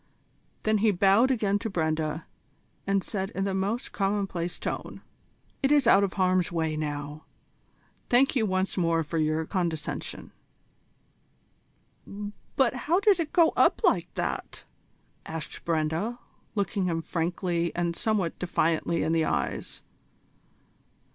Then he bowed again to Brenda, and said in the most commonplace tone: "It is out of harm's way now. Thank you once more for your condescension." "But how did it go up like that?" asked Brenda, looking him frankly and somewhat defiantly in the eyes.